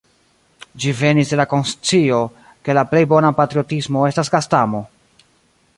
Ĝi venis de la konscio, ke la plej bona patriotismo estas gastamo!